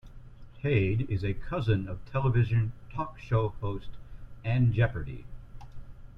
Haid is a cousin of television talk show host and Jeopardy!